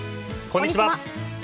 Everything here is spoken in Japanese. こんにちは。